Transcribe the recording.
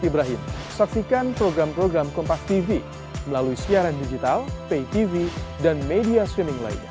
baik sebelum ke para hakim